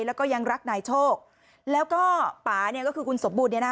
แล้วก็ยังรักนายโชคแล้วก็ป๋าคือคุณสมบูรณ์